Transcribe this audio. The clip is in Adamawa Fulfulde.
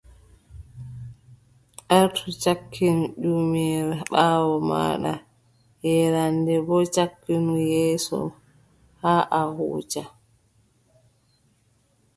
Artu cakkinu ƴummere ɓaawo maaɗa, yeeraande boo cakkinu yeeso maaɗa haa a huuca.